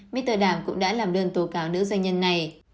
mitter đàm cũng đã làm đơn tố cáo nữ doanh nhân này